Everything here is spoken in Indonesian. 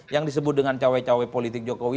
yang disebut dengan cawe cawe politik jokowi